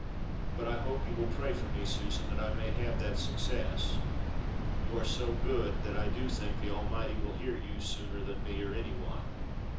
But I hope you will pray for me, Susan, that I may have that success; you are so good that I do think the Almighty will hear you sooner than me or any one.